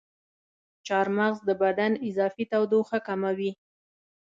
چارمغز د بدن اضافي تودوخه کموي.